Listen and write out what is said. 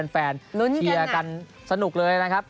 ๒๐๐๗แฟนเชียร์กันสนุกเลยนะครับ